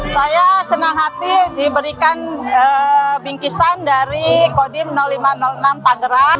saya senang hati diberikan bingkisan dari kodim lima ratus enam tangerang